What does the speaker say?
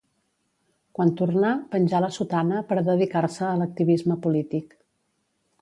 Quan tornà penjà la sotana per a dedicar-se a l'activisme polític.